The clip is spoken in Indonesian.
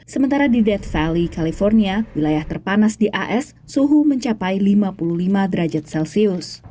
sementara di detsally california wilayah terpanas di as suhu mencapai lima puluh lima derajat celcius